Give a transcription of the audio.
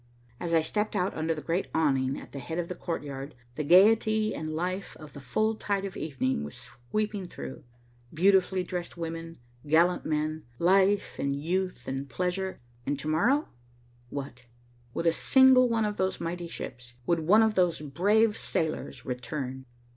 As I stepped out under the great awning at the head of the courtyard, the gayety and life of the full tide of evening was sweeping through. Beautifully dressed women, gallant men, life and youth and pleasure, and to morrow what? Would a single one of those mighty ships, would one of those brave sailors return?